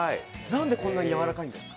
なんでこんなにやわらかいんですか？